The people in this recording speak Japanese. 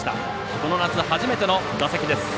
この夏初めての打席です。